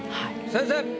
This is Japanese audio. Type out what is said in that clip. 先生！